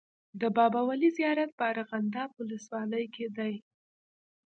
د بابا ولي زیارت په ارغنداب ولسوالۍ کي دی.